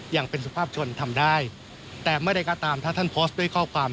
ยังเป็นสุภาพชนทำได้แต่เมื่อใดก็ตามถ้าท่านโพสต์ด้วยข้อความ